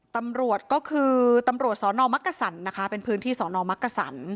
ตำรวจก็คือตำรวจสอนอมักกษันนะคะเป็นพื้นที่สอนอมักกษัน